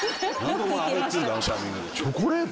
チョコレート！？